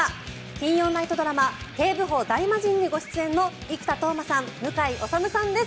金曜ナイトドラマ「警部補ダイマジン」にご出演の生田斗真さん、向井理さんです